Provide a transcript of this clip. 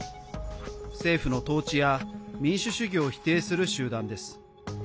政府の統治や民主主義を否定する集団です。